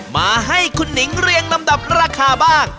มาให้คุณหนิงเรียงลำดับราคาบ้าง